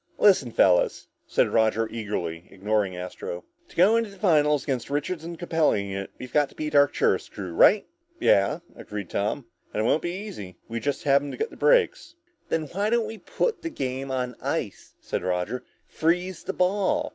"Listen, fellas," said Roger eagerly, ignoring Astro, "to go into the finals against Richards and the Capella unit, we've got to beat the Arcturus crew, right?" "Yeah," agreed Tom, "and it won't be easy. We just happened to get the breaks." "Then why don't we put the game on ice?" said Roger. "Freeze the ball!